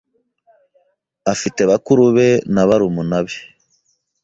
afite bakuru be na barumuna be